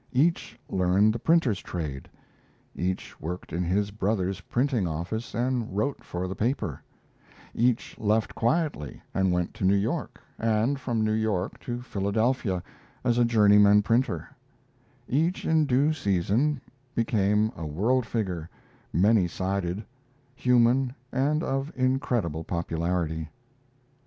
Each learned the printer's trade; each worked in his brother's printing office and wrote for the paper; each left quietly and went to New York, and from New York to Philadelphia, as a journeyman printer; each in due season became a world figure, many sided, human, and of incredible popularity.